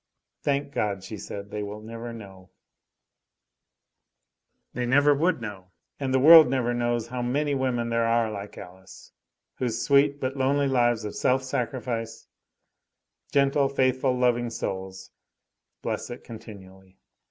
"Thank God," she said, "they will never know" They never would know. And the world never knows how many women there are like Alice, whose sweet but lonely lives of self sacrifice, gentle, faithful, loving souls, bless it continually.